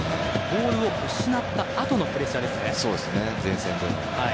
ボールを失ったあとのプレッシャーですね。